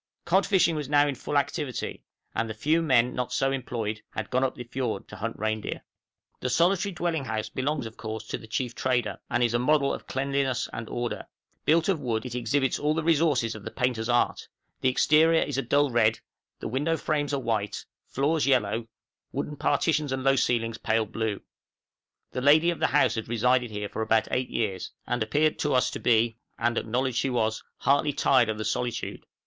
Cod fishing was now in full activity, and the few men not so employed had gone up the fiord to hunt reindeer. {FISKERNAES, AND ESQUIMAUX.} The solitary dwelling house belongs, of course, to the chief trader, and is a model of cleanliness and order; built of wood, it exhibits all the resources of the painter's art; the exterior is a dull red, the window frames are white, floors yellow, wooden partitions and low ceilings pale blue. The lady of the house had resided here for about eight years, and appeared to us to be, and acknowledged she was, heartily tired of the solitude.